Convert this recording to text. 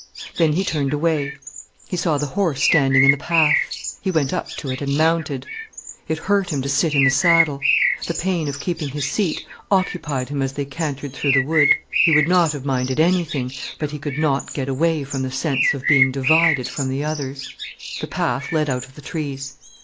Then he turned away. He saw the horse standing in the path. He went up to it and mounted. It hurt him to sit in the saddle. The pain of keeping his seat occupied him as they cantered through the wood. He would not have minded anything, but he could not get away from the sense of being divided from the others. The path led out of the trees.